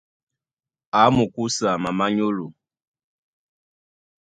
A mukúsa mamá nyólo.